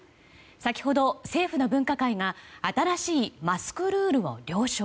先ほど、政府の分科会が新しいマスクルールを了承。